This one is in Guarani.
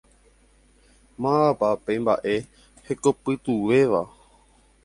Mávapa pe mbaʼe hekopytũvéva?